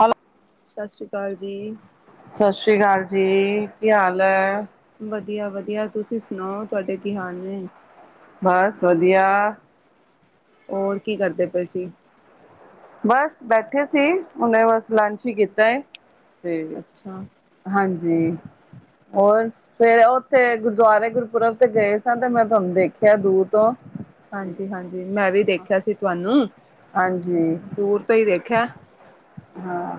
Hello ਸਸ ਸ਼੍ਰੀ ਕਾਲ ਜੀ। ਸੱਸ ਸ਼੍ਰੀ ਕਾਲ ਜੀ, ਕੀ ਹਾਲ ਐ? ਵਧੀਆਂ ਵਧੀਆਂ ਤੁਸੀਂ ਸੁਣਾਓ ਤੁਹਾਡੇ ਕੀ ਹਾਲ ਨੇ? ਬਸ ਵਧੀਆਂ। ਔਰ ਕੀ ਕਰਦੇ ਪਏ ਸੀ? ਬਸ ਬੈਠੇ ਸੀ ਹੁਣੇ ਬਸ ਲੰਚ ਈ ਕੀਤਾ ਏ ਤੇ ਅੱਛਾ ਹਾਂਜੀ ਔਰ ਸਵੇਰੇ ਉੱਥੇ ਗੁਰਦੁਆਰੇ ਗੁਰਪੁਰਬ ਤੇ ਗਏ ਸਾ ਤੇ ਮੈਂ ਤੁਹਾਨੂੰ ਦੇਖਿਆਂ ਦੂਰ ਤੋਂ ਹਾਂਜੀ ਹਾਂਜੀ ਮੈਂ ਵੀ ਦੇਖਿਆਂ ਸੀ ਤੁਹਾਨੂੰ ਹਾਂਜੀ। ਦੂਰ ਤੋਂ ਈ ਦੇਖਿਆਂ ਹਾਂ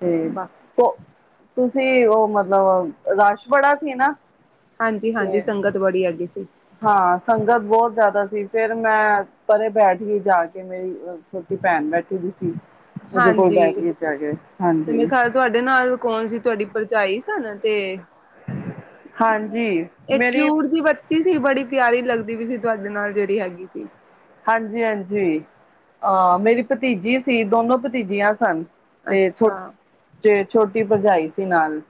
ਤੇ ਤੋਂ ਤੁਸੀਂ ਉਹ ਮਤਲਬ ਰਸ਼ ਬੜਾ ਸੀ ਨਾ ਹਾਂਜੀ-ਹਾਂਜੀ ਤੇ ਸੰਗਤ ਬੜੀ ਹੈਗੀ ਸੀ। ਹਾਂ ਸੰਗਤ ਬਹੁਤ ਜ਼ਿਆਦਾ ਸੀ ਫ਼ਿਰ ਮੈਂ ਪਰੇ ਬੈਠ ਗੀ ਜਾ ਕੇ ਮੇਰੀ ਛੋਟੀ ਭੈਣ ਬੈਠੀ ਦੀ ਸੀ ਉਹਦੇ ਕੋਲ਼ ਹਾਂਜੀ ਬੈਠਗੀ ਜਾ ਕੇ ਹਾਂਜੀ। ਇਹਦੇ ਨਾਲ ਕੌਣ ਸੀ ਤੁਹਾਡੀ ਭਰਜਾਈ ਸਨ ਤੇ ਹਾਂਜੀ ਇਹ ਮੇਰੀ ਕਿਊੂਟ ਜੀ ਬਚ- ਚੀ ਸੀ ਬੜੀ ਪਿਆਰੀ ਲੱਗਦੀ ਵੀ ਸੀ ਤੁਹਾਡੇ ਨਾਲ ਜਿਹੜੀ ਹੈਗੀ ਸੀ। ਹਾਂਜੀ ਹਾਂਜੀ। ਅਹ ਮੇਰੀ ਭਤੀਜੀ ਸੀ ਦੋਨੋ ਭਤੀਜੀਆਂ ਸਨ। ਤੇ ਛੋ ਅੱਛਾ ਛੋਟੀ ਭਰਜਾਈ ਸੀ ਨਾਲ।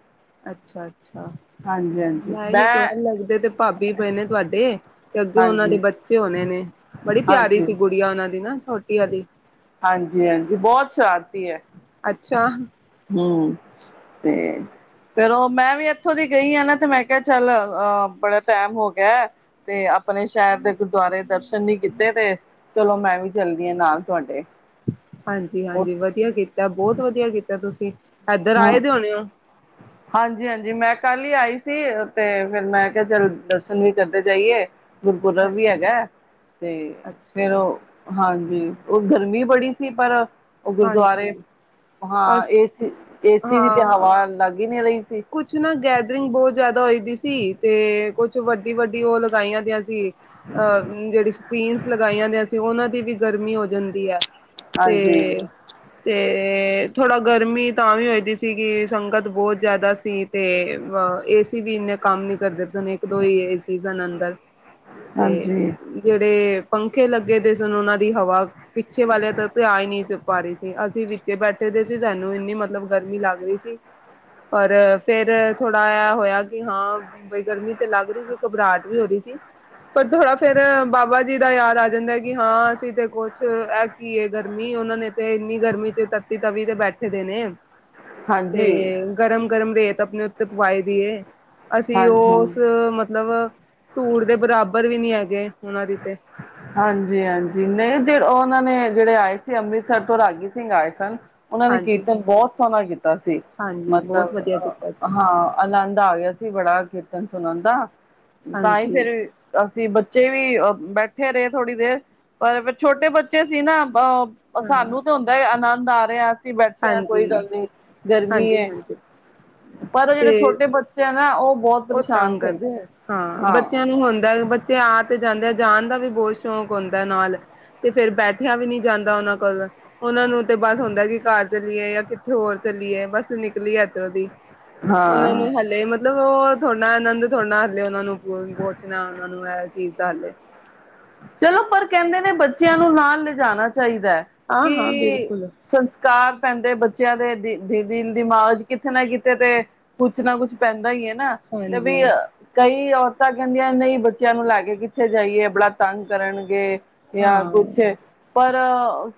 ਅੱਛਾ ਅੱਛਾ। ਹਾਂਜੀ ਹਾਂਜੀ ਮੈਂ ਵੀ ਕਵਾ ਲਗਦੇ ਤੇ ਭਾਬੀ ਪਏ ਨੇ ਤੁਹਾਡੇ। ਤੇ ਅੱਗੇ ਉਹਨਾਂ ਦੇ ਹਾਂਜੀ ਬੱਚੇ ਹੋਣੇ ਨੇ ਬੜੀ ਪਿਆਰੀ ਹਾਂਜੀ ਸੀ ਗੁੜੀਆਂ ਉਹਨਾਂ ਦੀ ਨਾ ਛੋਟੀ ਆਲੀ। ਹਾਂਜੀ-ਹਾਂਜੀ ਬਹੁਤ ਸ਼ਰਾਰਤੀ ਏ। ਅੱਛਾ। ਹਮ ਤੇ‌ ਚਲੋ ਮੈਂ ਵੀ ਇੱਥੋਂ ਦੀ ਗਈ ਆ ਨਾ ਤੇ ਮੈਂ ਕਿਹਾ ਚੱਲ ਅਹ ਬੜਾ ਟੈਮ ਹੋ ਗਿਆ ਐ। ਤੇ ਆਪਣੇ ਸ਼ਹਿਰ ਦੇ ਗੁਰਦੁਆਰੇ ਦਰਸ਼ਨ ਨੀ ਕੀਤੇ ਤੇ ਚਲੋ ਮੈਂ ਵੀ ਚੱਲਦੀ ਆ ਨਾਲ ਤੁਹਾਡੇ ਹਾਂਜੀ-ਹਾਂਜੀ। ਵਧੀਆਂ ਕੀਤਾ ਬਹੁਤ ਵਧੀਆਂ ਕੀਤਾ ਤੁਸੀ ਇੱਧਰ ਆਏ ਦੇ ਹੋਣੇ ਹੋ। ਹਾਂਜੀ-ਹਾਂਜੀ। ਮੈਂ ਕੱਲ੍ਹ ਈ ਆਈ ਸੀ ਤੇ ਫਿਰ ਮੈਂ ਕਿਹਾ ਚੱਲ ਦਰਸ਼ਨ ਵੀ ਕਰਦੇ ਜਾਈਏ। ਗੁਰਪੁਰਬ ਵੀ ਹਾਂਜੀ ਹੈਗਾ ਤੇ ਫਿਰ ਅੱਛਾ ਹਾਂਜੀ, ਉਹ ਗਰਮੀ ਬੜੀ ਸੀ ਪਰ ਉਹ ਗੁਰਦੁਆਰੇ ਹਾਂਜੀ ਹਾਂ ਅਸ ਏਸੀ ਏਸੀ ਦੀ ਤੇ ਹਾਂ ਹਵਾ ਅਲੱਗ ਈ ਨੀ ਰਹੀ ਸੀ। ਕੁਛ ਨਾ ਗੈਦਰਿੰਗ ਬਹੁਤ ਜ਼ਿਆਦਾ ਹੋਈ ਦੀ ਸੀ ਤੇ ਕੁਛ ਵੱਡੀ-ਵੱਡੀ ਉਹ ਲਗਾਈਆਂ ਦੀਆਂ ਸੀ। ਅਹ ਜਿਹੜੀ ਸਕਰੀਨਸ ਲਗਾਈਆਂ ਦੀਆਂ ਸੀ। ਉਹਨਾਂ ਦੀ ਵੀ ਗਰਮੀ ਹੋ ਜਾਂਦੀ ਐ‌। ਹਾਂਜੀ ਤੇ ਤੇ ਥੋੜ੍ਹਾ ਗਰਮੀ ਤਾਂ ਵੀ ਹੋਏ ਦੀ ਸੀ ਕਿ ਸੰਗਤ ਬਹੁਤ ਜ਼ਿਆਦਾ ਸੀ। ਤੇ ਏਸੀ ਵੀ ਇੰਨੇ ਕੰਮ ਨੀ ਕਰਦੇ, ਇੱਕ ਦੋ ਈ ਏ ਸੀ ਸਨ ਅੰਦਰ। ਤੇ ਹਾਂਜੀ ਜਿਹੜੇ ਪੱਖੇ ਲੱਗੇ ਦੇ ਸਨ ਉਹਨਾਂ ਦੀ ਹਵਾ ਪਿੱਛੇ ਵਾਲਿਆਂ ਤੱਕ ਤੇ ਆ ਈ ਨਹੀਂ ਪਾ ਰਹੀ ਸੀ। ਅਸੀ ਵਿੱਚੇ ਬੈਠੇ ਦੇ ਸੀ ਸਾਨੂੰ ਇੰਨੀ ਮਤਲਬ ਗਰਮੀ ਲੱਗ ਰਹੀ ਸੀ। ਪਰ ਫਿਰ ਥੋੜ੍ਹਾ ਇਹ ਹੋਇਆ ਕਿ ਹਾਂ ਬਈ ਗਰਮੀ ਤੇ ਲੱਗ ਰਹੀ ਸੀ, ਘਬਰਾਹਟ ਵੀ ਹੋ ਰਹੀ ਸੀ। ਪਰ ਥੋੜ੍ਹਾ ਫਿਰ ਬਾਬਾ ਜੀ ਦਾ ਯਾਦ ਆ ਜਾਂਦਾ ਕਿ ਹਾਂ ਅਸੀ ਤੇ ਕੁਛ ਕੀ ਏ ਗਰਮੀ ਉਹਨਾਂ ਨੇ ਤੇ ਇੰਨੀ ਗਰਮੀ ਚ ਤੱਤੀ ਤਵੀ ਤੇ ਬੈਠੇ ਦੇ ਨੇ। [inaudible] ਤੇ ਹਾਂਜੀ ਗਰਮ-ਗਰਮ ਰੇਤ ਆਪਣੇ ਉੱਤੇ ਪਵਾਈ ਦੀ ਏ। ਅਸੀ ਹਾਂਜੀ ਉਸ ਮਤਲਬ ਧੂੜ ਦੇ ਬਰਾਬਰ ਵੀ ਨਹੀਂ ਐਗੇ ਉਹਨਾਂ ਦੀ ਤੇ। ਹਾਂਜੀ-ਹਾਂਜੀ। ਨਹੀਂ ਫਿਰ ਉਹ ਉਹਨਾਂ ਨੇ ਜਿਹੜੇ ਆਏ ਸੀ। ਅੰਮ੍ਰਿਤਸਰ ਤੋਂ ਰਾਗੀ ਸਿੰਘ ਆਏ ਸਨ। ਉਹਨਾਂ ਨੇ ਹਾਂਜੀ। ਕੀਰਤਨ ਬਹੁਤ ਸੋਹਣਾ ਕੀਤਾ ਸੀ। ਹਾਂਜੀ ਬਹੁਤ ਮਤਲਬ ਵਧੀਆ ਕੀਤਾ ਅ ਸੀ ਹਾਂ। ਆਨੰਦ ਆ ਗਿਆ ਸੀ ਬੜਾ ਕੀਰਤਨ ਸੁਣਨ ਦਾ ਤਾਂਹੀ ਹਾਂਜੀ ਫਿਰ ਅਸੀਂ ਬੱਚੇ ਵੀ ਆ ਬੈਠੇ ਬੈਠੇ ਰਹੇ ਥੋੜ੍ਹੀ ਦੇਰ ਪਰ ਛੋਟੇ ਬੱਚੇ ਸੀ ਨਾ। ਹਾਂ ਸਾਨੂੰ ਤੇ ਹੁਣ ਆਨੰਦ ਆ ਰਿਹਾ। ਅਸੀ ਬੈਠੇ ਹਾਂ ਕੋਈ ਹਾਂਜੀ। ਗੱਲ ਨੀ ਗਰਮੀ ਐ। ਹਾਂਜੀ-ਹਾਂਜੀ ਪਰ ਉਹ ਜਿਹੜੇ ਤੇ ਛੋਟੇ ਬੱਚੇ ਬੱਚੇ ਆ ਨਾ ਉਹ ਬਹੁਤ ਉਹ ਪਰੇਸ਼ਾਨ ਤੰਗ ਕਰਦੇ ਹੈ ਹਾਂ। ਬੱਚਿਆਂ ਨੂੰ ਹੁੰਦਾ ਬੱਚੇ ਆ ਤੇ ਜਾਂਦੇ ਆ ਜਾਣ ਦਾ ਵੀ ਬਹੁਤ ਸ਼ੌਕ ਹੁੰਦਾ ਨਾਲ। ਤੇ ਫਿਰ ਬੈਠਿਆ ਵੀ ਨਹੀਂ ਜਾਂਦਾ ਉਹਨਾਂ ਕੋਲ। ਉਹਨਾਂ ਨੂੰ ਤੇ ਬਸ ਹੁੰਦਾ ਕਿ ਕਾਰ ਚੱਲੀਏ ਜਾਂ ਕਿੱਥੇ ਹੋਰ ਚੱਲੀਏ ਬਸ ਨਿਕਲੀ ਇਧਰੋਂ ਦੀ। ਉਹਨਾਂ ਹਾਂ ਨੂੰ ਹਲੇ ਉਹ ਥੋੜ੍ਹਾ-ਥੋੜ੍ਹਾ ਹਲੇ ਉਹਨਾਂ ਨੂੰ। ਜਲਦੀ ਪੋਚਣਾ, ਉਹਨਾਂ ਨੂੰ ਐ ਚੀਜ਼ ਦਾ ਹਾਲੇ ਚਲੋ ਪਰ ਕਹਿੰਦੇ ਨੇ ਬੱਚਿਆਂ ਨੂੰ ਨਾਲ ਲਿਜਾਣਾ ਚਾਹੀਦਾ ਐ। ਹਾਂ ਹਾਂ ਕਿ ਬਿਲਕੁਲ ਸੰਸਕਾਰ ਪੈਂਦੇ ਬੱਚਿਆਂ ਦੇ ਦੀ ਦੀਨ ਦਿਮਾਗ ਕਿਤੇ ਨਾ ਕਿਤੇ ਤੇ ਕੁਛ ਨਾ ਕੁਛ ਪੈਂਦਾ ਹੀ ਐ ਨਾ। ਤੇ ਹਾਂਜੀ ਵੀ ਕਈ ਔਰਤਾਂ ਕਹਿੰਦੀਆਂ ਨਹੀਂ ਬੱਚਿਆਂ ਨੂੰ ਕੇ ਕਿੱਥੇ ਜਾਈਏ? ਬੜਾ ਤੰਗ ਕਰਨਗੇ ਜਾਂ ਹਾਂ ਕੁਛ ਪਰ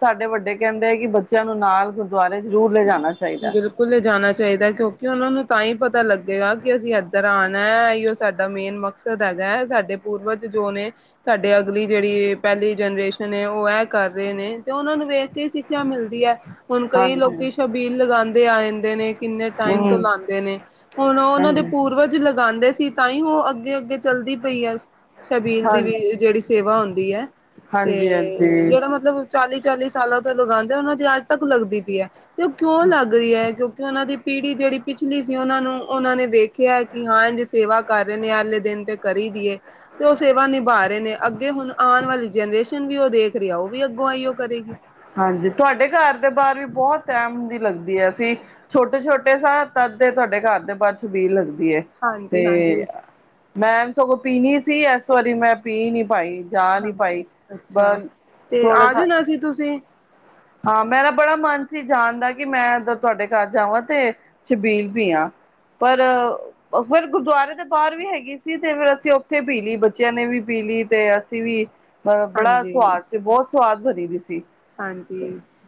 ਸਾਡੇ ਵੱਡੇ ਕਹਿੰਦੇ ਐ, ਕਿ ਬੱਚਿਆਂ ਨੂੰ ਨਾਲ ਗੁਰਦੁਆਰੇ ਜ਼ਰੂਰ ਲੈਜਾਣਾ ਚਾਹੀਦਾ। [unintelligible] ਕੋਲੇ ਜਾਣਾ ਚਾਹੀਦਾ, ਕਿਉਂਕਿ ਉਹਨਾਂ ਨੂੰ ਤਾਂ ਹੀ ਪਤਾ ਲੱਗੇਗਾ, ਕਿ ਅਸੀਂ ਇੱਧਰ ਆਣਾ ਐ, ਐਈਓ ਸਾਡਾ ਮੇਨ ਮਕ ਮਕ਼ਸਦ ਐਗਾ, ਸਾਡੇ ਪੂਰਵਜ ਜੋ ਨੇ ਸਾਡੇ ਅਗਲੀ ਜਿਹੜੀ ਪਹਿਲੀ ਜਨਰੇਸ਼ਨ ਏ। ਉਹ ਐ ਕਰ ਰਹੇ ਨੇ ਤੇ ਉਹਨਾਂ ਨੂੰ ਵੇਖ ਕੇ ਅਸੀ ਸਿੱਖਿਆ ਮਿਲਦੀ ਐ। ਹੁਣ ਕਈ ਹਾਂਜੀ ਲੋਕੀ ਸ਼ਬ ਸ਼ਬੀਲ ਲਗਾਂਦੇ ਆ ਜਾਂਦੇ ਨੇ, ਕਿੰਨੇ ਟਾਈਮ ਤੋਂ ਹਮ ਲਾਉਂਦੇ ਨੇ। ਹੁਣ ਉਹਨਾਂ ਦੇ ਹਾਂਜੀ ਪੂਰਵਜ ਲਗਾਂਦੇ ਸੀ, ਤਾਂ ਹੀ ਉਹ ਅੱਗੇ-ਅੱਗੇ ਚੱਲਦੀ ਪਈ ਆ‌। ਸ਼ਬੀਲ ਹਾਂ ਦੀ ਵੀ ਜਿਹੜੀ ਸੇਵਾ ਹੁੰਦੀ ਐ। ਤੇ ਹਾਂਜੀ ਹਾਂਜੀ ਜਿਹੜਾ ਮਤਲਬ ਚਾਲੀ-ਚਾਲੀ ਸਾਲਾਂ ਤੋਂ ਲਗਾਂਦੇ ਉਹਨਾਂ ਦੀ ਅੱਜ ਤੱਕ ਲੱਗਦੀ ਪਈ ਤੇ ਉਹ ਕਿਉਂ ਲੱਗ ਰਹੀ ਐ‌। ਕਿਉਂਕਿ ਉਹਨਾਂ ਦੀ ਪੀੜੀ ਜਿਹੜੀ ਪਿਛਲੀ ਸੀ। ਉਹਨਾਂ ਨੂੰ ਉਹਨਾਂ ਨੇ ਵੇਖਿਆ, ਕਿ ਹਾਂ ਇਦੀ ਸੇਵਾ ਕਰ ਰਹੇ ਨੇ, ਅਗਲੇ ਦਿਨ ਤੇ ਕਰੀ ਦੀਏ। ਤੇ ਉਹ ਸੇਵਾ ਨਿਭਾ ਰਹੇ ਨੇ। ਅੱਗੇ ਹੁਣ ਆਣ ਵਾਲੀ ਜਨਰੇਸ਼ਨ ਵੀ ਉਹ ਦੇਖ ਰਿਹਾ। ਉਹ ਵੀ ਅੱਗੋਂ ਆਈਓ ਕਰੇਗੀ। ਹਾਂਜੀ, ਤੁਹਾਡੇ ਘਰ ਦੇ ਬਾਹਰ ਵੀ ਬਹੁਤ ਟਾਈਮ ਲੱਗਦੀ ਐ। ਅਸੀਂ ਛੋਟੇ-ਛੋਟੇ ਸੈਅ, ਤਦ ਦੇ ਤੁਹਾਡੇ ਘਰ ਦੇ ਬਾਹਰ ਸਬੀਲ ਲੱਗਦੀ ਐ। ਹਾਂਜੀ ਹਾਂਜੀ ਤੇ, ਮੈਂ ਸਗੋਂ ਪੀਣੀ ਸੀ। ਇਸ ਵਾਰੀ ਮੈਂ ਪੀ ਨੀ ਪਾਈ ਜਾ ਨਹੀਂ ਹਾਂਜੀ ਪਾਈਈ ਬ ਥੋੜਾ ਸਾ ਕਿ ਤੁਸੀਂ। ਹਾਂ ਮੇਰਾ ਬੜਾ ਮਨ ਸੀ ਜਾਣ ਦਾ, ਕਿ ਮੈਂ ਅੰਦਰ ਤੁਹਾਡੇ ਘਰ ਜਾਵਾਂ, ਤੇ ਸ਼ਬੀਲ ਪੀ ਆਂ। ਪਰ। ਫਿਰ ਗੁਰਦੁਆਰੇ ਦੇ ਬਾਹਰ ਵੀ ਹੈਗੀ ਸੀ। ਤੇ ਫਿਰ ਅਸੀਂ ਉੱਥੇ ਪੀ ਲਈ, ਬੱਚਿਆਂ ਨੇ ਵੀ ਪੀ ਲਈ, ਤੇ ਅਸੀਂ ਵੀ ਅ ਬੜਾ ਹਾਂਜੀ ਸੁਵਾਦ ਸੀ, ਬਹੁਤ ਸਵਾਦ ਬਣੀ ਦੀ ਸੀ। ਹਾਂਜੀ,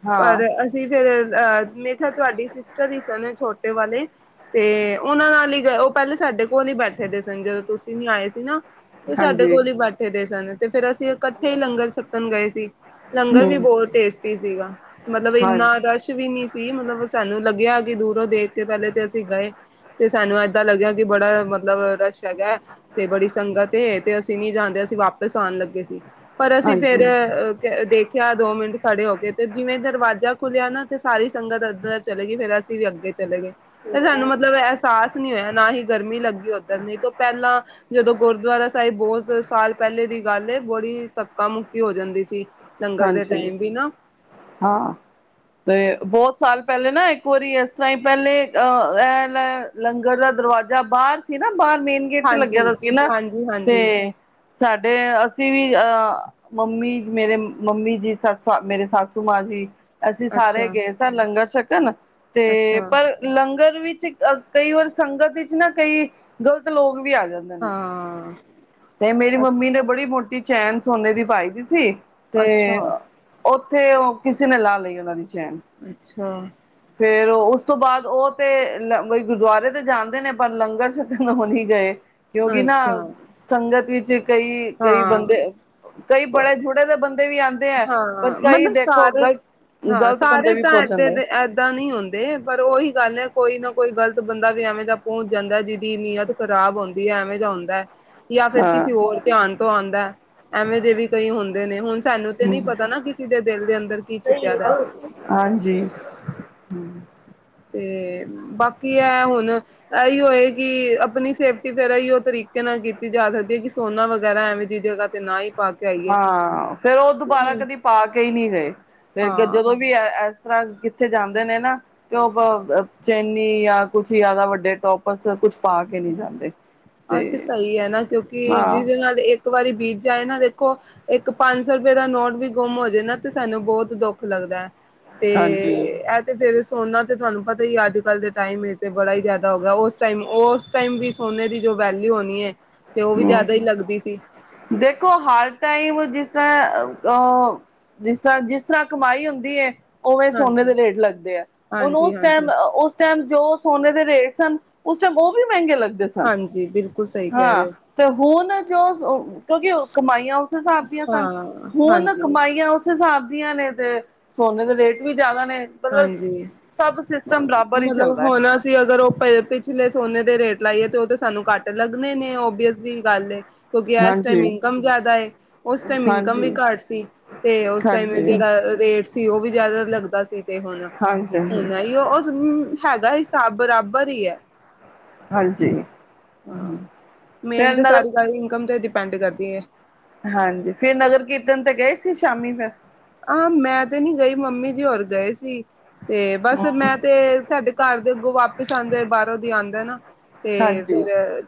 ਹਾਂ ਪਰ ਅ ਤੇ ਫਿਰ ਅਹ ਮੇ ਤਾਂ ਤੁਹਾਡੀ ਸਿਸਟਰ ਹੀ ਸਨ, ਛੋਟੇ ਵਾਲੇ ਤੇ ਉਹਨਾਂ ਨਾਲ ਹੀ, ਉਹ ਪਹਿਲੇ ਸਾਡੇ ਕੋਲ ਹੀ ਬੈਠੇ ਦੇ ਸਨ। ਜਦੋਂ ਤੁਸੀਂ ਨੀ ਆਏ ਸੀ ਨਾ ਤੇ ਸਾਡੇ ਹਾਂਜੀ ਕੋਲ ਹੀ ਬੈਠੇ ਦੇ ਸਨ। ਤੇ ਫਿਰ ਅਸੀਂ ਇਕੱਠੇ ਹੀ ਲੰਗਰ ਛੱਕਣ ਗਏ ਸੀ। ਲੰਗਰ ਵੀ ਹੂੰ ਬਹੁਤ ਟੇਸਟੀ ਸੀਗਾ, ਮਤਲਬ ਹਾਂ ਇੰਨਾ ਰਸ਼ ਕੁਸ਼ ਵੀ ਨਹੀਂ ਸੀ, ਮਤਲਬ ਸਾਨੂੰ ਲੱਗਿਆ ਕਿ ਦੂਰੋਂ ਦੇਖ ਕੇ ਪਹਿਲੇ ਤੇ ਅਸੀਂ ਗਏ। ਤੇ ਸਾਨੂੰ ਏਦਾਂ ਲੱਗਿਆ, ਕਿ ਬੜਾ ਮਤਲਬ ਰਸ਼ ਹੈਗਾ, ਤੇ ਬੜੀ ਸੰਗਤ ਤੇ ਅਸੀਂ ਨੀ ਜਾਂਦੇ, ਅਸੀਂ ਵਾਪਿਸ ਆਉਣ ਲੱਗੇ ਸੀ। ਪਰ ਅਸੀਂ ਫੇਰ, ਹਾਂਜੀ ਅ ਦੇਖ ਇਆ ਦੋ ਮਿੰਟ ਖੜੇ ਹੋ ਕੇਏ ਆ ਤੇ, ਜਿਵੇਂ ਦਰਵਾਜ਼ਾ ਖੁੱਲਿਆ ਨਾ, ਤੇ ਸਾਰੀ ਸੰਗਤ ਇੱਧਰ ਚਲੇ ਗਈ, ਫੇਰ ਅਸੀਂ ਵੀ ਅੱਗੇ ਚਲੇ ਗਏ। ਤੇ ਸਾਨੂੰ ਮਤਲਬ ਅਹਿਸਾਸ ਨਹੀਂ ਹੋਇਆ, ਨਾ ਹੀ ਗਰਮੀ ਲੱਗੀ ਉੱਧਰ ਨਹੀਂ ਤੋਂ ਪਹਿਲਾਂ ਜਦੋਂ ਗੁਰਦੁਆਰਾ ਸਾਹਿਬ ਬਹੁਤ ਸਾਲ ਪਹਿਲੇ ਦੀ ਗੱਲ ਐ, ਬੜੀ ਧੱਕਾ ਮੁੱਕੀ ਹੋ ਜਾਂਦੀ ਸੀ। ਲੰਗਰ ਦੇ ਹਾਂਜੀ, ਟਾਈਮ ਵੀ ਨਾ ਹਾਂ। ਤੇ ਬਹੁਤ ਸਾਲ ਪਹਿਲੇ ਨਾ ਇੱਕ ਵਾਰੀ ਇਸ ਤਰਾਂ ਪਹਿਲੇ ਅਹ ਇਹ ਲੰਗਰ ਦਾ ਦਰਵਾਜ਼ਾ ਬਾਹਰ ਸੀ ਨਾ, ਬਾਹਰ ਮੇਨ ਗੇਟ ਤੇ ਹਾਂਜੀ, ਲੱਗਿਆ ਦਾ ਸੀ ਨਾ, ਹਾਂਜੀ, ਹਾਂਜੀ ਤੇ ਸਾਡੇ, ਅਸੀਂ ਵੀ, ਅਹ ਮੰਮੀ ਮੇਰੇ ਮੰਮੀ ਜੀ ਸਸ ਮੇਰੇ ਸਸੂ ਮਾਂ ਜੀ, ਅਸੀਂ ਸਾਰੇ ਅੱਛਾ, ਗਏ ਸ ਲੰਗਰ ਛਕਣ। ਤੇ ਅੱਛਾ ਪਰ ਲੰਗਰ ਵਿੱਚ ਕਈ ਵਾਰ ਸੰਗਤ ਵਿੱਚ ਨਾ ਕਈ ਗਲਤ ਲੋਕ ਵੀ ਆ ਜਾਂਦੇ ਨੇ ਹਾਂ। ਤੇ ਮੇਰੀ ਅੱਛਾ, ਮੰਮੀ ਨੇ ਬੜੀ ਮੋਟੀ ਚੈਨ ਸੋਨੇ ਦੀ ਪਾਈ ਵੀ ਸੀ ਤੇ ਅੱਛਾ, ਉੱਥੇ ਉਹ ਕਿਸੇ ਨੇ ਲਾ ਲਈ ਉਹਨਾਂ ਦੀ ਚੈਨ। ਅੱਛਾ। ਫਿਰ ਉਸ ਤੋਂ ਬਾਅਦ ਉਹ ਤੇ ਗੁਰਦੁਆਰੇ ਤੇ ਜਾਂਦੇ ਨੇ ਪਰ ਲੰਗਰ ਚ ਹੋ ਨੀ ਗਏ। ਕਿਉਂਕਿ ਨਾ ਅੱਛਾ ਸੰਗਤ ਵਿੱਚ ਕਈ-ਕਈ ਹਾਂ ਬੰਦੇ ਕਈ ਬੜੇ ਜੁੜੇ ਬੰਦੇ ਵੀ ਆਉਂਦੇ ਹੈ ਪਰ ਹਾਂ ਕਈ ਮਤਲਬ ਦੇਖੋ ਸਾਰੇ ਗਲਤ ਹਾਂ ਗ਼ਲਤ ਬੰਦੇ ਸਾਰੇ ਵੀ ਤਾਂ ਪਹੁੰਚ ਏਦਾਂ ਜਾਂਦੇ ਦੇ ਏਦਾਂ ਨੀ ਹੁੰਦੇ ਤੇ ਪਰ ਉਹੀ ਗੱਲ ਐ ਕੋਈ ਨਾ ਕੋਈ ਗ਼ਲਤ ਬੰਦਾ ਵੀ ਐਵੇਂ ਦਾ ਪਹੁੰਚ ਜਾਂਦਾ ਜਿਹਦੀ ਨੀਅਤ ਖ਼ਰਾਬ ਹੁੰਦੀ ਏ ਐਵੇਂ ਦਾ ਹੁੰਦਾ। ਜਾਂ ਫਿਰ ਹਾਂ ਕਿਸੇ ਹੋਰ ਧਿਆਨ ਤੋਂ ਆਉਂਦਾ ਐਵੇਂ ਦੇ ਵੀ ਕਈ ਹੁੰਦੇ ਨੇ ਹੁਣ ਸਾਨੂੰ ਤੇ ਨਹੀਂ ਪਤਾ ਨਾ ਕਿਸੇ ਦੇ ਦਿਲ ਦੇ ਅੰਦਰ ਕੀ ਛਿਪਿਆ ਵਿਆ ਹਾਂਜੀ। ਹੂੰ ਤੇ ਬਾਕੀ ਅਹ ਹੁਣ ਇਹੀ ਹੋਓ ਏ ਕਿ ਆਪਣੀ ਸੇਫ਼ਟੀ ਫਿਰ ਇਹੀ ਉਹ ਤਰੀਕੇ ਨਾਲ ਕੀਤੀ ਜਾ ਸਕਦੀ ਹੈ ਕਿ ਸੋਨਾ ਵਗੈਰਾ ਐਵੇਂ ਖਰੀਦੇ ਗਾ ਤੇ ਨਾਈ ਹਾਂ ਫਿਰ ਉਹ ਦੁਬਾਰਾ ਕਦੀ ਪਾ ਕੇ ਹੀ ਨੀ ਗਏ ਫਿਰ ਹਾਂ ਜਦੋਂ ਵੀ ਤਰ੍ਹਾਂ ਕਿੱਥੇ ਜਾਂਦੇ ਨੇ ਨਾ ਓ ਚੈਨੀ ਜਾਂ ਕੁਛ ਜ਼ਿਆਦਾ ਵੱਡੇ ਟੋਪਸ ਕੁਛ ਪਾ ਕੇ ਨਹੀਂ ਜਾਂਦੇ ਆਹ ਤੇ ਸਹੀ ਐ ਨਾ ਕਿਉਂਕਿ ਹਾਂ ਜਿਸਦੇ ਨਾਲ ਇਕ ਇੱਕ ਵਾਰੀ ਬੀਤ ਜਾਏ ਨਾ ਦੇਖੋ ਇੱਕ ਪੰਜ ਸੌ ਰੁਪਏ ਦਾ ਨੋਟ ਵੀ ਗੁੰਮ ਹੋ ਜੇ ਨਾ ਤੇ ਸਾਨੂੰ ਬਹੁਤ ਦੁੱਖ਼ ਲੱਗਦਾ ਐ। ਤੇ ਹਾਂਜੀ ਅ ਤੇ ਫਿਰ ਸੋਨਾ ਤੇ ਤੁਹਾਨੂੰ ਪਤਾ ਹੀ ਅੱਜ ਕੱਲ ਦੇ ਟਾਈਮ ਤੇ ਬੜਾ ਹੀ ਜ਼ਿਆਦਾ ਹੋ ਗਿਆ ਉਸ ਟਾਈਮ ਉਸ ਟਾਈਮ ਵੀ ਸੋਨੇ ਦੀ ਜੋ ਵੈਲਿਊ ਹੋਣੀ ਐ ਤੇ ਉਹ ਵੀ ਹਮ ਜ਼ਿਆਦਾ ਹੀ ਲੱਗਦੀ ਸੀ। ਦੇਖੋ ਹਰ ਟਾਈਮ ਜਿਸ ਤਰ੍ਹਾਂ ਅਹ ਜਿਸ ਤਰ੍ਹਾਂ ਜਿਸ ਤਰ੍ਹਾਂ ਕਮਾਈ ਹੁੰਦੀ ਐ ਉਵੇਂ ਸੋਨੇ ਦੇ ਹਾਂਜੀ ਰੇਟ ਲੱਗਦੇ ਐ ਹੁਣ ਹਾਂਜੀ ਉਸ ਟਾਈਮ ਹਾਂਜੀ ਉਸ ਚਲ ਜੋ ਸੋਨੇ ਦੇ ਰੇਟ ਸਨ ਉਸ ਟਾਈਮ ਉਹ ਵੀ ਮਹਿੰਗੇ ਲੱਗਦੇ ਸਨ ਹਾਂਜੀ ਬਿਲਕੁਲ ਸਹੀ ਕਹਿ ਹਾਂ ਰਹੇ ਹੋ। ਤੇ ਹੁਣ ਜੋ ਕਿਉਂਕਿ ਕਮਾਈਆਂ ਉਸ ਹਿਸਾਬ ਦੀਆਂ ਸਨ ਹਾਂ ਹੁਣ ਹਾਂਜੀ ਕਮਾਈਆਂ ਉਸ ਉਸ ਹਿਸਾਬ ਦੀਆਂ ਨੇ ਤੇ ਸੋਨੇ ਦੇ ਰੇਟ ਵੀ ਜ਼ਿਆਦਾ ਨੇ ਮਤਲਬ ਹਾਂਜੀ ਸਭ ਸਿਸਟਮ ਬਰਾਬਰ ਹੀ ਮਤਲਬ ਚੱਲਦਾ ਹੈ। ਹੋਣਾ ਸੀ ਅਗਰ ਉਹ ਪਏ ਪਿਛਲੇ ਸੋਨੇ ਦੇ ਰੇਟ ਲਾਈਏ ਤੇ ਉਹ ਤੇ ਸਾਨੂੰ ਘੱਟ ਲੱਗਣੇ ਨੇ ਓਬਵੀ ਅਸਲੀ ਗੱਲ ਏ ਕਿਉਂਕਿ ਇਸ ਹਾਂਜੀ ਟਾਈਮ ਇਨਕਮ ਜ਼ਿਆਦਾ ਏ ਉਸ ਟਾਈਮ ਇਨਕਮ ਵੀ ਹਾਂਜੀ ਘੱਟ ਸੀ। ਤੇ ਉਸ ਟਾਇਮ ਹਾਂਜੀ ਜਿਹੜਾ ਰੇਟ ਸੀ ਉਹ ਵੀ ਜ਼ਿਆਦਾ ਲੱਗਦਾ ਸੀ। ਤੇ ਹੁਣ, ਹਾਂਜੀ ਹੁਣ ਇਹ ਉਹ ਹੈਗਾਂ ਹਿਸਾਬ ਬਰਾਬਰ ਈ ਆ। ਹਾਂਜੀ ਹਾਂ ਮੇਨ ਫੇਰ ਤੇ ਨਗਰ ਸਾਰੀ ਗੱਲ ਇਨਕਮ ਤੇ ਡਿਪੈਂਡ ਕਰਦੀ ਐ। ਹਾਂਜੀ, ਫਿਰ ਨਗਰ ਕੀਰਤਨ ਤੇ ਗਏ ਸੀ ਸ਼ਾਮੀ ਫਿਰ ਆਹ ਮੈਂ ਤੇ ਨੀ ਗਈ ਮੰਮੀ ਜੀ ਹੋਰ ਗਏ ਸੀ ਤੇ ਬਸ ਮੈਂ ਹਮ ਤੇ ਸਾਡੇ ਘਰ ਦੇ ਅੱਗੋਂ ਵਾਪਿਸ ਆਉਂਦੇ ਬਾਹਰੋਂ ਦੀ ਆਉਂਦਾ ਨਾ ਤੇ ਹਾਂਜੀ ਫਿਰ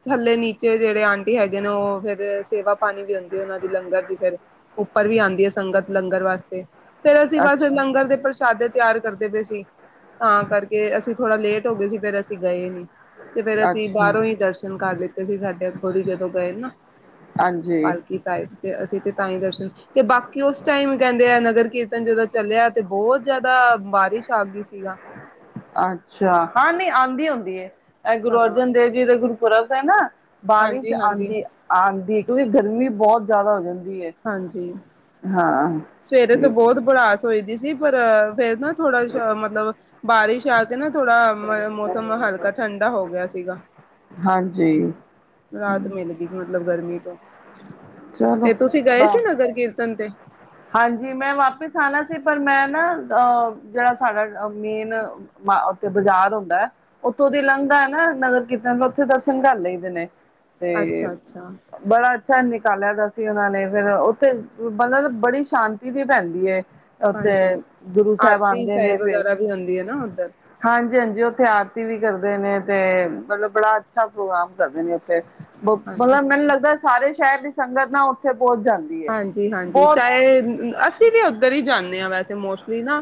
ਥੱਲੇ- ਨੀਚੇ ਜਿਹੜੇ ਆਂਟੀ ਹੈਗੇ ਨੇ ਉਹ ਫਿਰ ਸੇਵਾ ਪਾਣੀ ਵੀ ਆਉਂਦੀ ਉਹਨਾਂ ਦੀ ਲੰਗਰ ਦੀ ਫਿਰ ਉੱਪਰ ਵੀ ਆਉਂਦੀਆਂ ਏ ਸ ਸੰਗਤ ਲੰਗਰ ਵਾਸਤੇ, ਫਿਰ ਅਸੀਂ ਬਸ ਅੱਛਾ ਲੰਗਰ ਦੇ ਪ੍ਰਸ਼ਾਦੇ ਤਿਆਰ ਕਰਦੇ ਪਏ ਸੀ। ਤਾਂ ਕਰਕੇ ਅਸੀਂ ਥੋੜ੍ਹਾ ਲੇਟ ਹੋ ਗਏ ਸੀ, ਫਿਰ ਅਸੀਂ ਗਏ ਨੀ। ਤੇ ਫਿਰ ਅਸੀਂ ਅੱਛਾ ਬਾਹਰੋਂ ਹੀ ਦਰਸ਼ਨ ਕਰ ਲਿੱਤੇ ਸੀ, ਸਾਡੇ ਅੱਗੋ ਦੀ ਜਦੋਂ ਗਏ ਨਾ, ਹਾਂਜੀ 'ਪਾਲਕੀ ਸਾਹਿਬ' ਤੇ ਅਸੀਂ ਤੇ ਤਾਂ ਹੀ ਦਰਸ਼ਨ ਤੇ ਬਾ ਕਿ ਉਸ ਟਾਈਮ ਕਹਿੰਦੇ ਆ, ਨਗਰ ਕੀਰਤਨ ਜਦੋਂ ਚੱਲਿਆ, ਤੇ ਬਹੁਤ ਜਿਆਦਾ ਬਾਰਿਸ਼ ਆ ਗਈ ਸੀ। ਅੱਛਾ, ਹਾਂ ਨੀ ਆਉਂਦੀ ਹੁੰਦੀ ਹੈ, ਇਹ ਗੁਰੂ ਹਾਂ ਅਰਜਨ ਦੇਵ ਜੀ ਦਾ ਗੁਰੂਪੁਰਬ ਹੈ ਨਾ। ਬਾਰਿਸ਼ ਹਾਂਜੀ ਹਾਂਜੀ ਆਉਂਦੀ, ਆਉਂਦੀ ਕਿਉਂਕਿ ਗਰਮੀ ਬਹੁਤ ਜ਼ਿਆਦਾ ਹੋ ਜਾਂਦੀ ਆ। ਹਾਂਜੀ। ਹਾਂ। ਸਵੇਰੇ ਤਾ ਠੀਕ ਬਹੁਤ ਬੜਾਸ ਹੋਈ ਦੀ ਸੀ ਪਰ, ਫਿਰ ਨਾ ਥੋੜਾ ਜਾ ਮਤਲਬ ਬਾਰਿਸ਼ ਆ ਤੇ ਨਾ ਥੋੜਾ ਮ ਮੌਸਮ ਹਲਕਾ ਠੰਢਾ ਹੋ ਗਿਆ ਸੀਗਾ। ਹਾਂਜੀ। ਰਾਹਤ ਮਿਲ ਗਈ ਮਤਲਬ ਗਰਮੀ ਤੋਂ, ਚਲੋ ਤੇ ਤੁਸੀਂ ਗਏ ਸੀ ਬ ਨਗਰ ਕੀਰਤਨ ਤੇ? ਹਾਂਜੀ ਮੈਂ ਵਾਪਿਸ ਆਉਣਾ ਸੀ ਪਰ ਮੈਂ ਨਾ, ਅ ਜਿਹੜਾ ਸਾਡਾ ਮੇਨ ਮ ਉਥੇ ਬਾਜ਼ਾਰ ਹੁੰਦਾ। ਉੱਥੋਂ ਦੀ ਲੰਘਦਾ ਹੈ ਨਾ, ਨਗਰ ਕੀਰਤਨ ਉੱਥੇ ਦਰਸ਼ਨ ਕਰ ਲਈ ਦੇ ਨੇ। ਤੇ, ਅੱਛਾ ਅੱਛਾ ਬੜਾ ਅੱਛਾ ਨਿਕਾਲਿਆ ਦਾ ਸੀ ਉਹਨਾਂ ਨੇ ਫਿਰ, ਉੱਥੇ ਮਤਲਬ ਬੜੀ ਸ਼ਾਂਤੀ ਦੀ ਪੈਂਦੀ ਏ। ਉੱਥੇ ਹਾਂਜੀ ਗੁਰੂ ਸਾਹਿਬ ਆਰਤੀ ਆਉਂਦੇ ਨੇ ਸਾਹਿਬ ਤੇ ਵਗੈਰਾ ਵੀ ਹੁੰਦੀ ਹੈ ਨਾ ਉੱਧਰ ਹਾਂਜੀ- ਹਾਂਜੀ ਉੱਥੇ ਆਰਤੀ ਵੀ ਕਰਦੇ ਨੇ ਤੇ, ਮਤਲਬ ਬੜਾ ਅੱਛਾ ਪ੍ਰੋਗਰਾਮ ਕਰਦੇ ਨੇ ਉੱਥੇ। ਹਾਂਜੀ ਮਤਲਬ ਮੈਨੂੰ ਲੱਗਦਾ ਸਾਰੇ ਸ਼ਹਿਰ ਦੀ ਸੰਗਤ ਨਾ ਉੱਥੇ ਪਹੁੰਚ ਜਾਂਦੀ। ਹੈ ਹਾਂਜੀ- ਹਾਂਜੀ ਬਹੁਤ ਚਾਹੇ, ਅਸੀਂ ਵੀ ਅੱਗਰ ਹੀ ਜਾਂਦੇ ਹਾਂ ਵੈਸੇ ਤੇ ਮੋਸਟਲੀ ਨਾ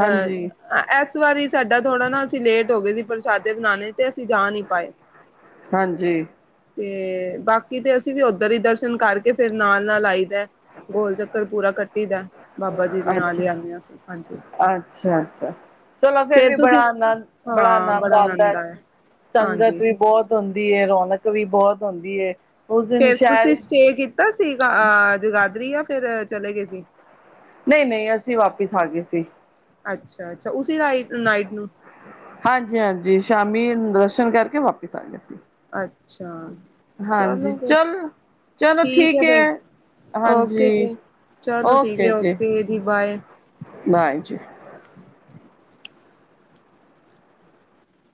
ਹਾਂਜੀ ਆ ਇਸ ਵਾਰੀ ਸਾਡਾ ਥੋੜਾ ਨਾ ਅਸੀਂ ਲੇਟ ਹੋ ਗਏ ਸੀ, ਪ੍ਰਸ਼ਾਦੇ ਬਣਾਉਣੇ, ਤੇ ਅਸੀਂ ਜਾ ਨਹੀਂ ਪਾਏ। ਹਾਂਜੀ। ਤੇ, ਬਾਕੀ ਤੇ ਅਸੀਂ ਵੀ ਉੱਧਰ ਹੀ ਦਰਸ਼ਨ ਕਰਕੇ ਫਿਰ ਨਾਲ- ਨਾਲ ਆਈ ਦਾ। ਗੋਲ ਚੱਕਰ ਪੂਰਾ ਕਰਕੇ। ਅੱਛਾ ਜੀ, ਹਾਂਜੀ ਅੱਛਾ- ਅੱਛਾ। ਚਲੋ ਫਿਰ ਫੇਰ ਵੀ ਬੜਾ ਤੁਸੀਂ ਆਨੰਦ, ਬੜਾ ਆਨੰਦ ਆਉਂਦਾ, ਹਾਂਜੀ ਸੰਗਤ ਵੀ ਬਹੁਤ ਹੁੰਦੀ ਏ, ਰੌਣਕ ਵੀ ਬਹੁਤ ਹੁੰਦੀ ਏ। ਉਸ ਦਿਨ ਫਿਰ ਸ਼ਹਿਰ ਤੁਸੀਂ ਵਿੱਚ ਸਟੇ ਕੀਤਾ ਸੀ, ਅਹ ਜਗਾਧਰੀ ਜਾਂ ਫਿਰ ਚਲੇ ਗਏ ਸੀ। ਨਹੀਂ- ਨਹੀਂ, ਅਸੀਂ ਵਾਪਿਸ ਆ ਗਏ ਸੀ। ਅੱਛਾ- ਅੱਛਾ, ਉਸੀ ਨਾਈਟ ਨੂੰ। ਹਾਂਜੀ- ਹਾਂਜੀ, ਸ਼ਾਮੀ ਦਰਸ਼ਨ ਕਰਕੇ ਵਾਪਿਸ ਆ ਗਏ। ਅੱਛਾ ਹਾਂਜੀ ਚਲੋ ਫਿਰ ਚੱਲ, ਚਲੋ ਠੀਕ ਹੈ ਐ। ਫਿਰ ਓਕੇ ਜੀ, ਚਲੋ ਠੀਕ ਐ, ਓਕੇ ਜੀ, ਬਾਏ। ਨਾਇਟ।